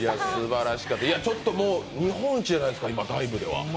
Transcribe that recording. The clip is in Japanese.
ちょっと、日本一じゃないですか今、ダイブでは。